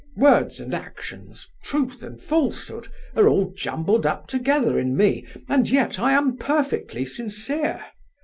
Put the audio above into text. Words and actions, truth and falsehood, are all jumbled up together in me, and yet I am perfectly sincere.